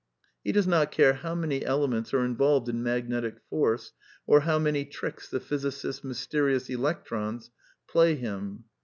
He does not care how many elements are involved in magnetic force, or how many tricks the physicist's mysterious electrons play him.